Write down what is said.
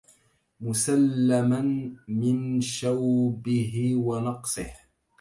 مُسلَّماً من شَوْبهِ ونقصِهِ